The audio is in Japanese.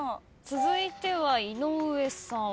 続いては井上さん。